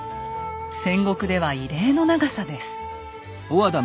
戦国では異例の長さです。